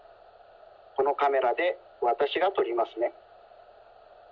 このカメラでわたしがとりますね。